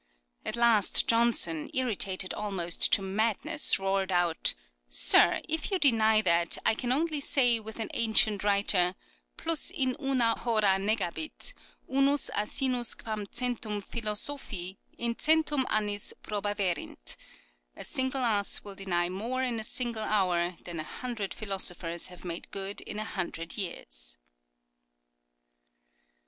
At last Johnson, irritated almost to madness, roared out, " Sir, if you deny that, I can only say, with an ancient writer, * Plus in una hora negabit unus asinus quam centum philosophi in centum annis probaverint '(' A single ass will deny more in a single hour than a hundred philosophers have made good in a hundred years